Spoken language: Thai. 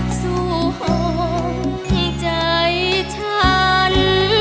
สู่ห่วงใจฉัน